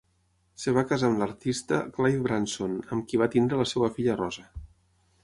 Es va casar amb l'artista Clive Branson, amb qui va tenir la seva filla Rosa.